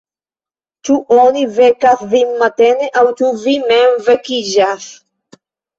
Ĉu oni vekas vin matene, aŭ ĉu vi mem vekiĝas?